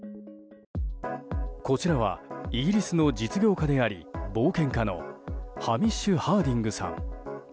こちらはイギリスの実業家であり冒険家のハミッシュ・ハーディングさん。